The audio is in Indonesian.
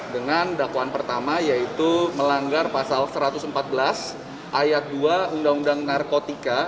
dengan dakwaan pertama yaitu melanggar pasal satu ratus empat belas ayat dua undang undang narkotika